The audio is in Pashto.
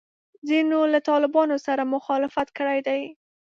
ځینو له طالبانو سره مخالفت کړی دی.